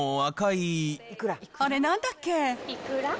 あれなんだっけ。